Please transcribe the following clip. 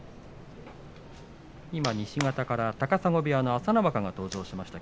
今、西方から高砂部屋の朝乃若が登場しました。